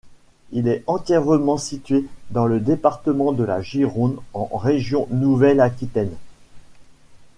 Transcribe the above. Il est entièrement situé dans le département de la Gironde, en région Nouvelle-Aquitaine.